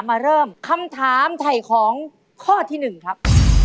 มาเริ่มคำถามไถ่ของข้อที่๑ครับ